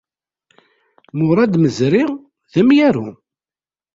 Murad Mezri, d amyaru.